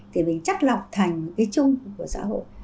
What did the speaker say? thì mình chắc lọc thành một cái chung của xã hội